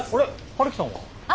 陽樹さんは？